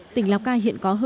tỉnh lào cai hiện có hơn